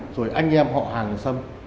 rồi anh em họ hàng của sâm